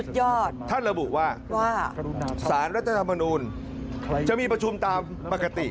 ยอดท่านระบุว่าว่าสารรัฐธรรมนูลจะมีประชุมตามปกติ